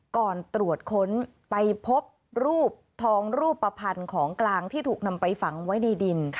ก่อนตรวจค้นไปพบรูปทองรูปภัณฑ์ของกลางที่ถูกนำไปฝังไว้ในดิน